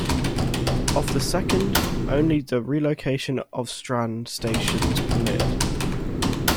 Of the second, only the relocation of Strand station was permitted.